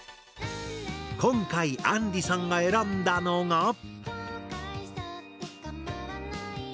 今回あんりさんが選んだのが。